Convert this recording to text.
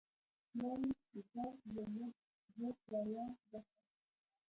وايي ګر ضرورت بود روا باشد.